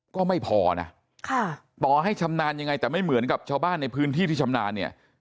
ก็ไม่พอนะต่อให้ชำนาญยังไงแต่ไม่เหมือนกับชาวบ้านในพื้นที่ที่ชำนาญเนี่ย